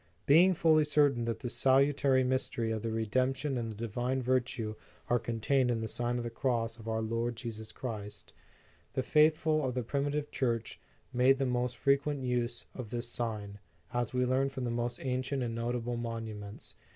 Being fully certain that the salutary mys tery of the redemption and the divine virtue are contained in the Sign of the Cross of our Preface to the Second Edition. 21 Lord Jesus Christ, the faithful of the primitive Church made the most frequent use of this sign, as we learn from the most ancient and notable monuments.